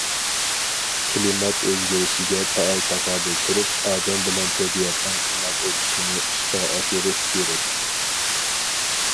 كىلىمات ئۆزگىرىشىگە پائال تاقابىل تۇرۇپ، ئادەم بىلەن تەبىئەتنىڭ ئىناق ئۆتۈشىنى ئىشقا ئاشۇرۇش كېرەك.